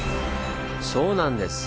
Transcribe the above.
そうなんです！